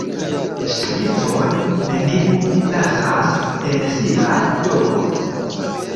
Ŝteliston neniu lasas en sian domon.